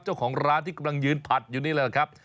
เจ้าของร้านที่กำลังยืนผัดอยู่นี่แหละครับ